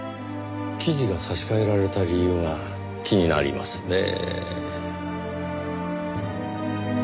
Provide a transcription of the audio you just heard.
記事が差し替えられた理由が気になりますねぇ。